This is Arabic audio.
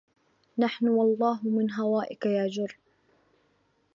نحن والله من هوائك يا جر